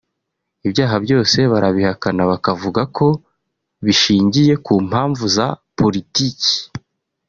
Ibyaha byose barabihakana bakavuga ko bishingiye ku mpamvu za politiki